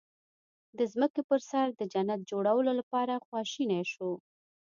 د ځمکې په سر د جنت جوړولو لپاره خواشني شو.